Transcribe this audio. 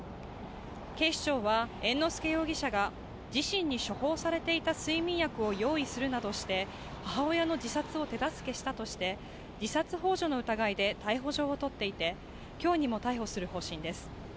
警視庁は猿之助容疑者が自身に処方されていた睡眠薬を用意するなどして、母親の自殺を手助けしたとして自殺ほう助の疑いで逮捕状を取っていて、今日にも逮捕する方針です。